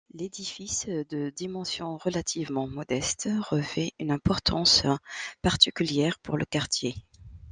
L'édifice de dimensions relativement modestes revêt une importance particulière pour le quartier.